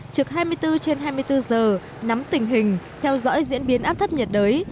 trực hai mươi bốn trên hai mươi bốn giờ nắm tình hình theo dõi diễn biến áp thấp nhiệt đới